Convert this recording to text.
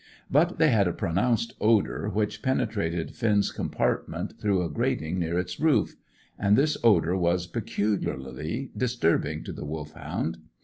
But they had a pronounced odour which penetrated Finn's compartment through a grating near its roof; and this odour was peculiarly disturbing to the Wolfhound.